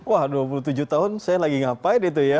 wah dua puluh tujuh tahun saya lagi ngapain itu ya